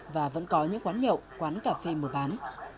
và vẫn có những quán nhậu quán cà phê mở bán